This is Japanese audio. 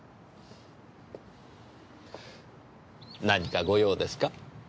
何かご用ですか？